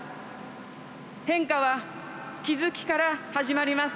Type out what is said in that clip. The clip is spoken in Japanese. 変化は気付きから始まります。